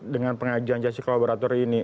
dengan pengajuan justice collaborator ini